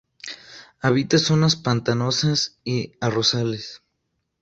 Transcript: Habita zonas pantanosas y arrozales.